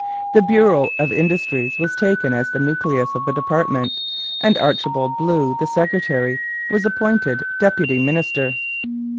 The bureau of Industries was taken as the nucleus of the department, and Archibald Blue, the secretary, was appointed deputy minister.